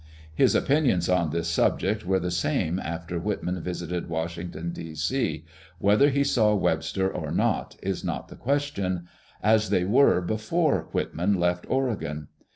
His opinions on this subject were the same after Whitman visited Washington, D. C. — whether he saw Webster or not is not the question — as they were before Whit man left Oregon.